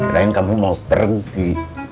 kirain kamu mau pergi